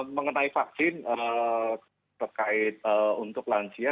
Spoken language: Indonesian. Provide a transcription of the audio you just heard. mengenai vaksin terkait untuk lansia